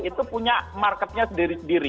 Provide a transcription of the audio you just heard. itu punya marketnya sendiri sendiri